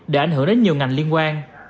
để ảnh hưởng đến nhiều ngành liên quan